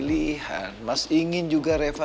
tidak kau baixo mau stabil lawan dengger dalam luar